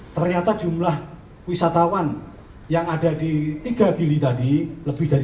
ternyata jumlah wisatawan yang ada di tiga gili tadi lebih dari satu